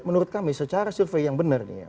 menurut kami secara survei yang benar nih ya